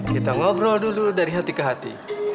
kita ngobrol dulu dari hati ke hati